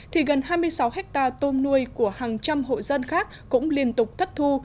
thì gần hai mươi sáu hectare tôm nuôi của hàng trăm hộ dân khác cũng liên tục thất thu